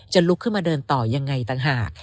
ลุกขึ้นมาเดินต่อยังไงต่างหาก